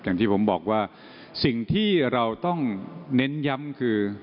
อย่างที่ผมบอกว่าสิ่งที่เราต้องเน้นย้ำคือ